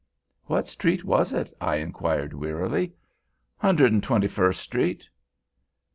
"What street was it?" I inquired, wearily. "Hundred 'n' twenty first street."